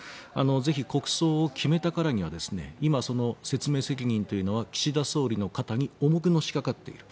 ぜひ、国葬を決めたからには今、説明責任は岸田総理の肩に重くのしかかっている。